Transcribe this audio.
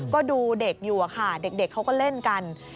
ก็ดูเด็กอยู่อะค่ะเด็กเขาก็เล่นกัน